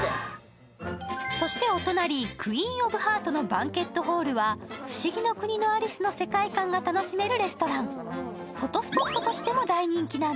そしてお隣、クイーン・オブ・ハートのバンケットホールは「ふしぎの国のアリス」の世界観が楽しめるレストラン。